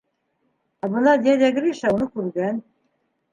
Ә бына дядя Гриша уны күргән.